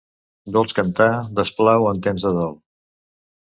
Dolç cantar desplau en temps de dol.